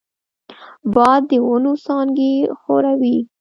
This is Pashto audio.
باد د ونو څانګې ښوروي